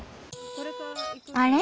あれ？